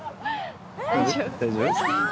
大丈夫？